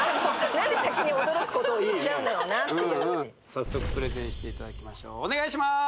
早速プレゼンしていただきましょうお願いします